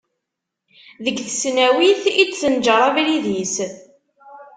Deg tesnawit i d-tenǧer abrid-is.